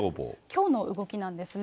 きょうの動きなんですね。